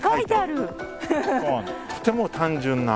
とても単純な。